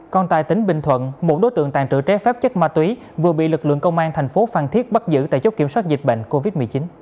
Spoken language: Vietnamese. còn tại tỉnh bình thuận một đối tượng tàn trữ trái phép chất ma túy vừa bị lực lượng công an thành phố phan thiết bắt giữ tại chốt kiểm soát dịch bệnh covid một mươi chín